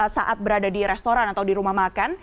saat berada di restoran atau di rumah makan